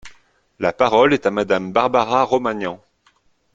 La parole est à Madame Barbara Romagnan.